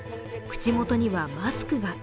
口元にはマスクが。